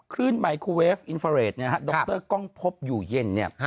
คลื่นไมโครเวฟอินเฟอเรดดรก้องพบอยู่เย็น